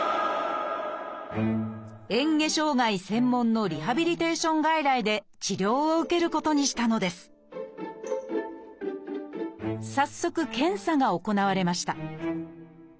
えん下障害専門のリハビリテーション外来で治療を受けることにしたのです早速検査が行われました